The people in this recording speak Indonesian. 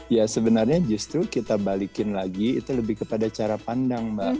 ya sebenarnya justru kita balikin lagi itu lebih kepada cara pandang mbak